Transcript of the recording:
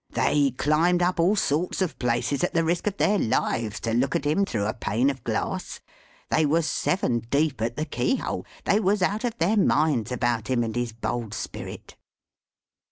They climbed up all sorts of places, at the risk of their lives, to look at him through a pane of glass. They was seven deep at the keyhole. They was out of their minds about him and his bold spirit.